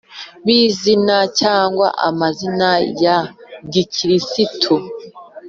b Izina cyangwa amazina ya gikirisitu